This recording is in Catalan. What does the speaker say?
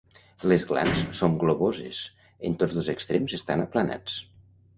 Les glans són globoses, en tots dos extrems estan aplanats.